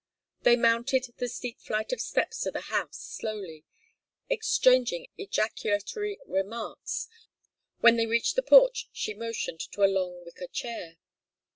They mounted the steep flight of steps to the house slowly, exchanging ejaculatory remarks. When they reached the porch she motioned to a long wicker chair.